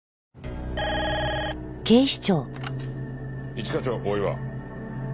一課長大岩。